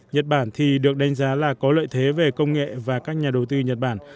nhật bản thì được đánh giá là có lợi thế về công nghệ và các nhà đầu tư nhật bản